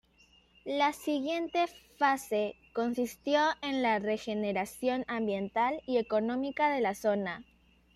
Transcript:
La siguiente fase consistió en la regeneración ambiental y económica de la zona.